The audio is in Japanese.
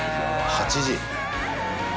８時。